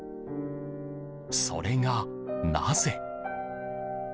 それが、なぜ？